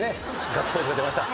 ガッツポーズが出ました。